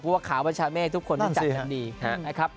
เพราะว่าขาวประชาแม่ทุกคนได้จัดกันดี